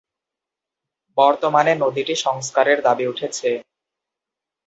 বর্তমানে নদীটি সংস্কারের দাবি উঠেছে।